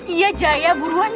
iya jaya buruan deh